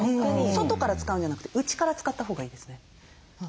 外から使うんじゃなくて内から使ったほうがいいですね。